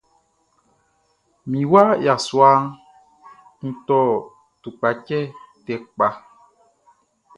Mi wa yassua kun tɔ tupkatʃɛ tɛ kpa.